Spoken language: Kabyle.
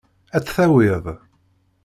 Ad tt-tawiḍ.